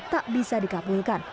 tak bisa dikapulkan